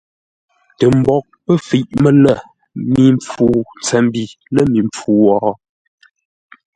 Tə mboʼ pə́ fəiʼ mələ mi mpfu ntsəmbi lə̂ mi mpfu wo?